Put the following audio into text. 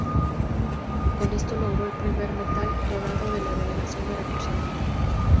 Con esto logró el primer metal dorado de la delegación veracruzana.